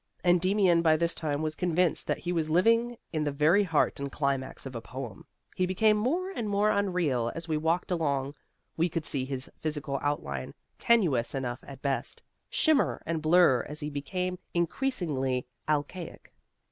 Endymion by this time was convinced that he was living in the very heart and climax of a poem; he became more and more unreal as we walked along: we could see his physical outline (tenuous enough at best) shimmer and blur as he became increasingly alcaic.